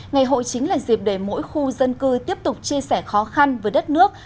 ngày hội chính là dịp để mỗi khu dân cư tiếp tục chia sẻ khó khăn với đất nước